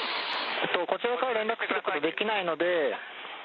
こちらから連絡することできないので。